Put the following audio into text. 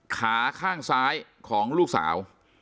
ขาข้างซ้ายของลูกสาว